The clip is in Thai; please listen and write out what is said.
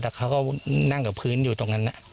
แต่เขาก็นั่งกับพื้นอยู่ตรงนั้น